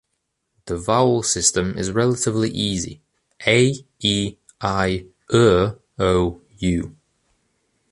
The vowel system is relatively easy: "a", "e", "i", "ə", "o", "u".